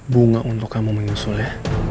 bunga untuk kamu menyusul ya